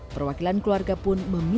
perwakilan keluarga pun memimpin